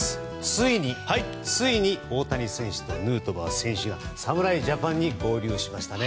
ついに、ついに大谷選手とヌートバー選手が侍ジャパンに合流しましたね。